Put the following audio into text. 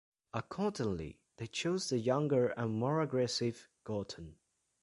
Accordingly, they chose the younger and more aggressive Gorton.